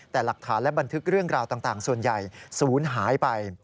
แต่หลักฐานและบันทึกเรื่องราวต่างส่วนใหญ่ศูนย์หายไป